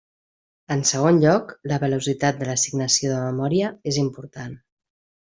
En segon lloc, la velocitat de l’assignació de memòria és important.